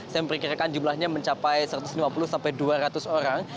saya memperkirakan jumlahnya mencapai satu ratus lima puluh sampai dua ratus orang